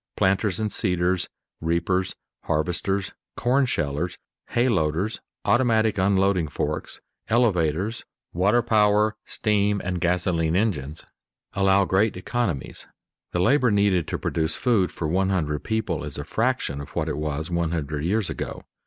Planters and seeders, reapers, harvesters, corn shellers, hay loaders, automatic unloading forks, elevators, water power , steam , and gasoline engines allow great economies. The labor needed to produce food for one hundred people is a fraction of what it was one hundred years ago.